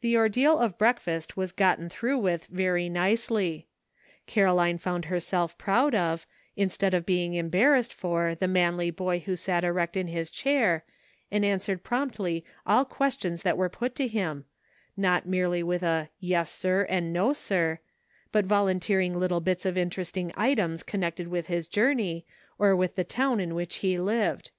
The ordeal of breakfast was gotten through with very nicely. Caroline found herself proud of, instead of being embarrassed for the manly boy who sat erect in his chair and answered ''MERRY CHRISTMAS.'' 321 promptly all questions that were put to him, not merely with a "yes, sir," and "no, sir," but volunteering little bits of interesting items connected with his journey, or with the town in which he lived.